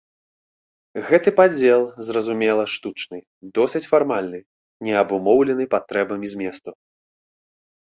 Гэты падзел, зразумела, штучны, досыць фармальны, не абумоўлены патрэбамі зместу.